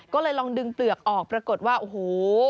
ก็เลยลองดึงเปลือกออกปรากฏว่าโอ้โห